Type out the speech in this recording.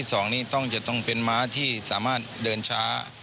สองนี้ต้องจะต้องเป็นม้าที่สามารถเดินช้า